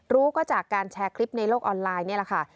รู้ก็จากการแชร์คลิปในโลกออนไลน์นี่แหละค่ะ